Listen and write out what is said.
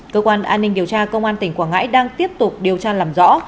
cơ quan an ninh điều tra công an tỉnh quảng ngãi đang tiếp tục điều tra làm rõ